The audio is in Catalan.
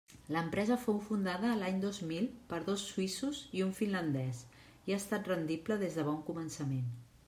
L'empresa fou fundada l'any dos mil per dos suïssos i un finlandès, i ha estat rendible des de bon començament.